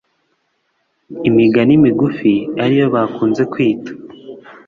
imigani migufi ariyo bakunze kwita